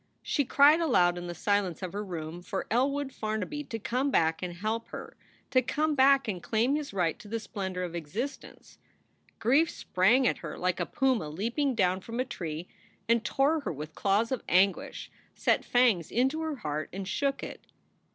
She cried aloud in the silence of her room for Elwood Farnaby to come back and help her, to come back and claim his right to the splendor of existence. Grief sprang at her like a puma leaping down from a tree and tore her with claws of anguish, set fangs into her heart and shook it.